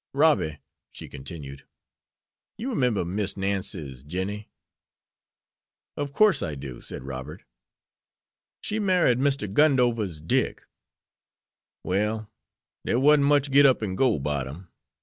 "Robby," she continued, "you 'member Miss Nancy's Jinnie?" "Of course I do," said Robert. "She married Mr. Gundover's Dick. Well, dere warn't much git up an' go 'bout him.